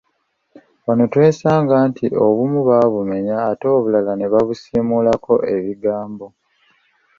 Wano twesanga nti obumu baabumenya ate obulala ne babusiimulako ebigambo.